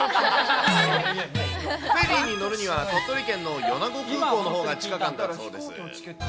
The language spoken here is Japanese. フェリーに乗るには鳥取県の米子空港のほうが近かったそうです。